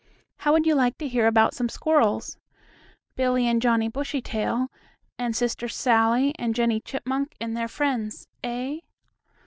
How would you like to hear about some squirrels? Billie and Johnnie Bushytail and Sister Sallie and Jennie Chipmunk and their friends, eh?